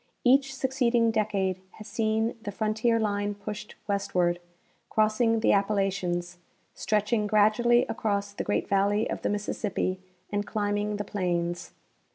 Each succeed ing decade has seen the frontier line pushed westward, crossing the Appalachians, stretching gradually across the great valley of the Mississippi, and climbing the plains.